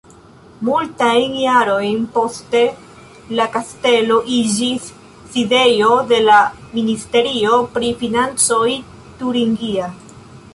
Multajn jarojn poste la kastelo iĝis sidejo de la Ministerio pri financoj turingia.